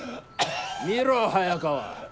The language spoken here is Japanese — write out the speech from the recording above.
見ろ早川。